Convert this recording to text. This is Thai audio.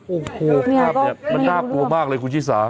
โอ้โฮมันน่ากลัวมากเลยคุณชีสา